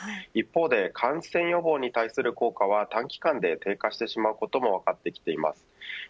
一方で、感染予防に対する効果は短期間で低下してしまうことも分かってきています。